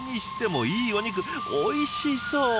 おいしそう。